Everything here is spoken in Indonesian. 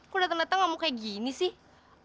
kok dateng dateng kamu kayak gini sih